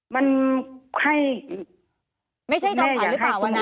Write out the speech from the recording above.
มันค่ะคุณแม่อยากให้คุณกลัว